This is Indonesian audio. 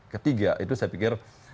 ketiga itu saya pikir